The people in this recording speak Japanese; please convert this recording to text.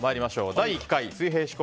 第１回水平思考